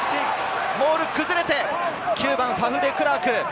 モールが崩れて、ファフ・デクラーク。